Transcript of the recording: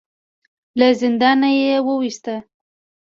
له زندانه يې وايست.